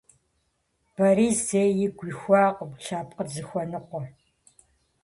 Борис зэи игу ихуакъым лъэпкъыр зыхуэныкъуэр.